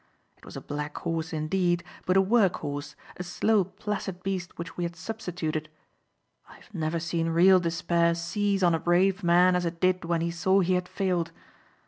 It was a black horse indeed, but a work horse, a slow placid beast which we had substituted. I have never seen real despair seize on a brave man as it did when he saw he had failed.